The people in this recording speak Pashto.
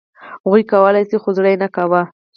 هغوی کولای شول، خو زړه یې نه کاوه.